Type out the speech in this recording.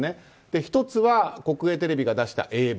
１つは国営テレビが公開した英文。